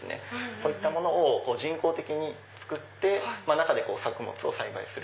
こういったものを人工的につくって中で作物を栽培する。